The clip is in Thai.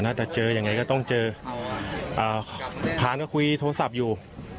จะเจอยังไงก็ต้องเจอผ่านก็คุยโทรศัพท์อยู่